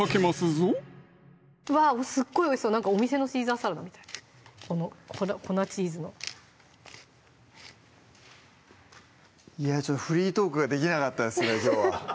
ぞわっすっごいおいしそうお店のシーザーサラダみたい粉チーズのいやちょっとフリートークができなかったですね